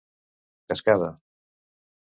Cascada: